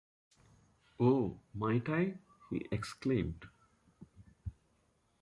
“Oh, might I?” he exclaimed.